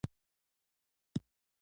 په خوشحالی ژوند کوی؟